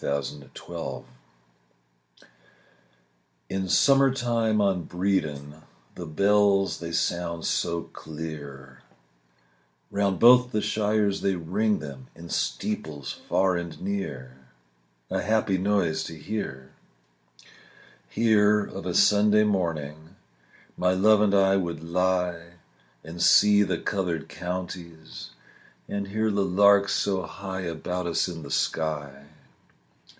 XXI BREDON HILL (1) In summertime on Bredon The bells they sound so clear; Round both the shires they ring them In steeples far and near, A happy noise to hear. Here of a Sunday morning My love and I would lie And see the coloured counties, And hear the larks so high About us in the sky.